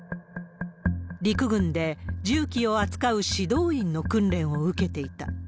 陸軍で銃器を扱う指導員の訓練を受けていた。